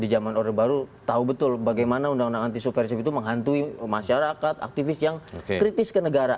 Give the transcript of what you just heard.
di zaman orde baru tahu betul bagaimana undang undang anti subversif itu menghantui masyarakat aktivis yang kritis ke negara